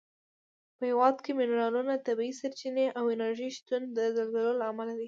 په هېواد کې منرالونه، طبیعي سرچینې او انرژي شتون د زلزلو له امله دی.